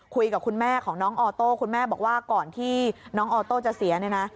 คุยกับคุณแม่ของน้องออโต้คุณแม่บอกว่าก่อนที่น้องออโต้จะเสียเนี่ยนะ